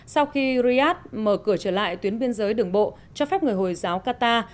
sau khi riyadh mở cửa trở lại tuyến biên giới đường bộ cho phép người hồi giáo qatar